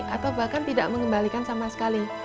atau bahkan tidak mengembalikan sama sekali